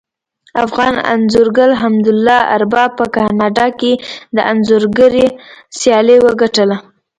افغان انځورګر حمدالله ارباب په کاناډا کې د انځورګرۍ سیالي وګټله